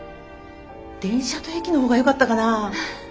電車と駅のほうがよかったかなぁ。